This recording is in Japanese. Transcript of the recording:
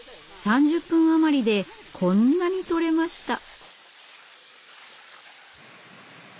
３０分余りでこんなに取れました。